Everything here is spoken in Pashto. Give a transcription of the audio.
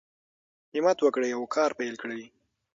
همت وکړئ او کار پیل کړئ.